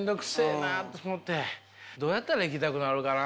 どうやったら行きたくなるかな？